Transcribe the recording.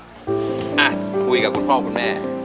มันก็คุยกับคุณพ่อกับแม่